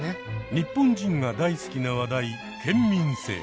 日本人が大好きな話題「県民性」。